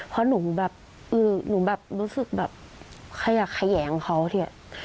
เพราะหนูแบบหนูแบบรู้สึกแบบขยะแขยงเขาที่